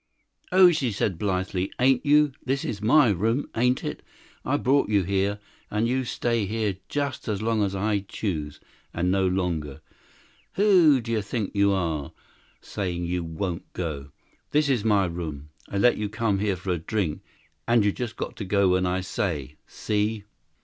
"Oh," she said, blithely, "ain't you? This is my room, ain't it? I brought you here, and you stay here just as long as I choose, and no longer. Who d'you think you are, saying you won't go? This is my room. I let you come here for a drink, and you just got to go when I say. See?"